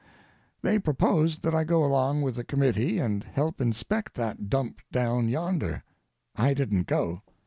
They proposed that I go along with the committee and help inspect that dump down yonder. I didn't go.